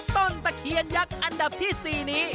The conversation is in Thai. ตะเคียนยักษ์อันดับที่๔นี้